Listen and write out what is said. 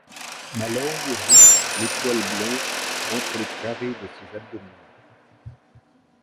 Ma langue goutte les poils blonds entre les carrés de ses abdominaux.